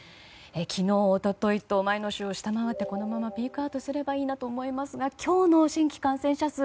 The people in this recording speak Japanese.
昨日、一昨日と前の週を下回ってこのままピークアウトすればいいなと思いますが今日の新規感染者数